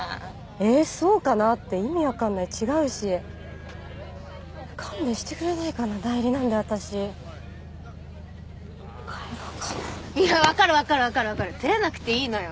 「ええーそうかな？」って意味わかんない違うし勘弁してくれないかな代理なんで私帰ろうかなわかるわかるわかるわかるてれなくていいのよ